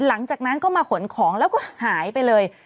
หลังจากนั้นก็มาขนของแล้วก็หายไปเลย